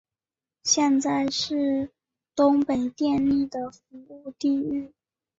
现在是东北电力的服务地域。